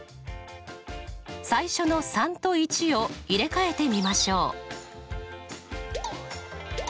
最初の３と１を入れ替えてみましょう。